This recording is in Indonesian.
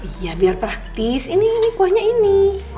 iya biar praktis ini kuahnya ini